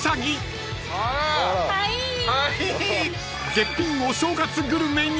［絶品お正月グルメに］